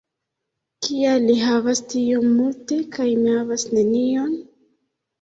Kial li havas tiom multe kaj mi havas nenion?